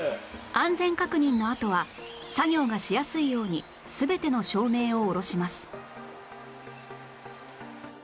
安全確認のあとは作業がしやすいように全ての照明を降ろします